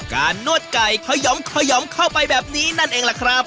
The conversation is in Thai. การนวดไก่เขย่อมเขย่อมเข้าไปแบบนี้นั่นเองล่ะครับ